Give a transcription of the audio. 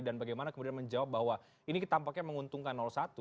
dan bagaimana menjawab bahwa ini tampaknya menguntungkan satu